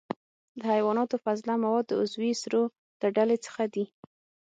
د حیواناتو فضله مواد د عضوي سرو له ډلې څخه دي.